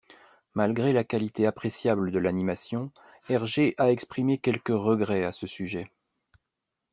Malgré la qualité appréciable de l'animation, Hergé a exprimé quelques regrets à ce sujet.